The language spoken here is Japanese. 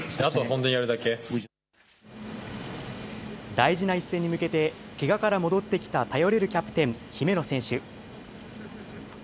大事な一戦に向けて、けがから戻ってきた頼れるキャプテン、姫野選手。